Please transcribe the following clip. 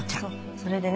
それでね